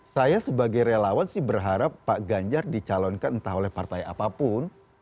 saya sebagai relawan sih berharap pak ganjar dicalonkan entah oleh partai apapun